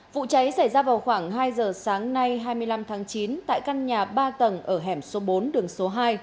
vụ cháy xảy ra vào khoảng hai giờ sáng nay hai mươi năm tháng chín tại căn nhà ba tầng ở hẻm số bốn đường số hai